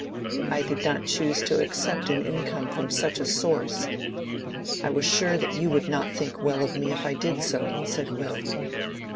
"I did not choose to accept an income from such a source. I was sure that you would not think well of me if I did so," said Will.